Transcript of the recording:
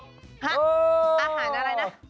อาหารอะไรนะ